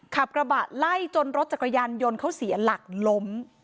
ขับกระบะไล่จนรถจักรยานยนต์เขาเสียหลักล้ม